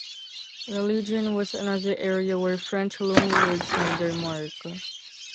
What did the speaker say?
Religion was another area where French loan-words made their mark.